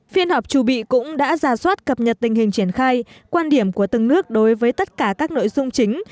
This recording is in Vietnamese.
phiên họp chủ bị cũng đã ra soát cập nhật tình hình triển khai quan điểm của từng nước đối với tất cả các nội dung chính